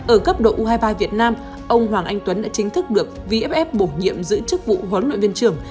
ở cấp độ u hai mươi ba việt nam ông hoàng anh tuấn đã chính thức được vff bổ nhiệm giữ chức vụ huấn luyện viên trưởng